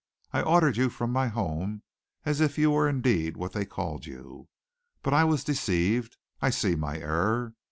I ordered you from my home as if you were indeed what they called you. But I was deceived. I see my error.